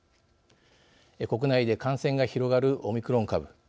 国内で、感染が広がるオミクロン株。